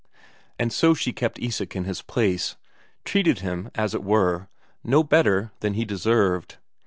And so she kept Isak in his place, treated him, as it were, no better than he deserved.